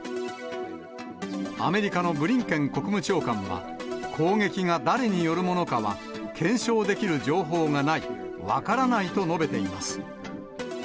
アメリカのブリンケン国務長官は、攻撃が誰によるものかは、検証できる情報がない、分からないと述べています。